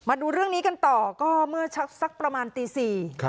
มาดูเรื่องนี้กันต่อก็เมื่อสักประมาณตี๔